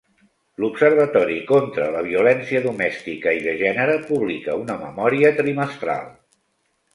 L'Observatori contra la Violència Domèstica i de Gènere publica una memòria trimestral.